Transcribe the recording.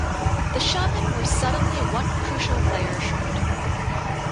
The Shamen were suddenly one crucial player short.